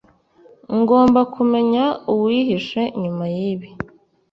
ngomba kumenya uwihishe inyuma yibi